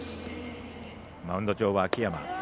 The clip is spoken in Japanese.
マウンド上は秋山。